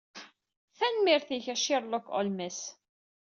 Tanemmirt-ik a Sherlock Holmes.